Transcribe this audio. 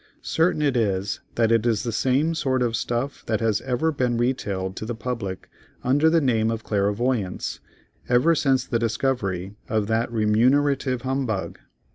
Certain it is that it is the same sort of stuff that has ever been retailed to the public under the name of clairvoyance, ever since the discovery of that remunerative humbug.